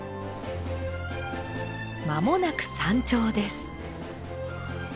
間もなく山頂です。